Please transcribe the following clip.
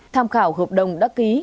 tham khảo hợp đồng đã ký